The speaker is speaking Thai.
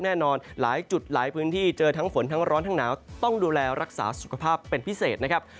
แน่นอนหลายจุดหลายพื้นที่เจอทั้งฝนทั้งร้อนทั้งหนาวต้องดูแลรักษาสุขภาพเป็นพิเศษนะครับ